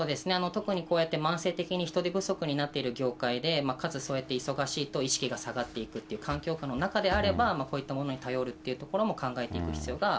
特にこうやって慢性的に人手不足になっている業界で、かつそうやって忙しいと意識が下がっていくという環境下の中であれば、こういったものに頼るというところも考えていく必要